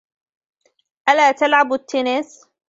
ألا تلعب التنس ؟